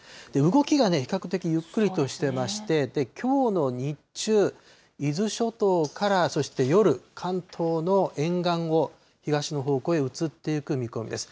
動きがね、比較的ゆっくりとしてまして、きょうの日中、伊豆諸島から、そして夜、関東の沿岸を東の方向へ移っていく見込みです。